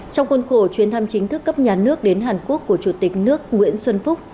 trong khuôn khổ chuyến thăm chính thức cấp nhà nước đến hàn quốc của chủ tịch nước nguyễn xuân phúc